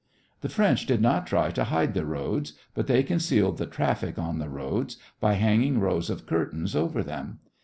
The French did not try to hide the roads, but they concealed the traffic on the roads by hanging rows of curtains over them.